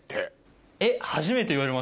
えっ！